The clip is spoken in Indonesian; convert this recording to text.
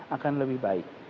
akan lebih baik